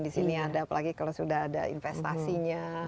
di sini ada apalagi kalau sudah ada investasinya